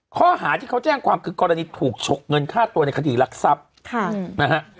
ข้อหาที่เขาแจ้งความคือกรณีถูกฉกเงินฆ่าตัวในคดีรักทรัพย์นะฮะ